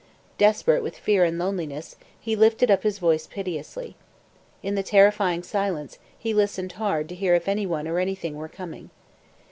Desperate with fear and loneliness, he lifted up his voice piteously. In the terrifying silence, he listened hard to hear if anyone or anything were coming.